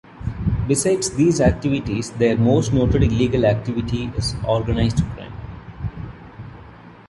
Besides these activities, their most noted illegal activity is "organized crime".